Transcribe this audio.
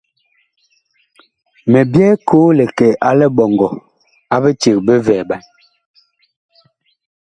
Mi byɛɛ koo li kɛ a liɓɔŋgɔ a biceg bi vɛɛɓan.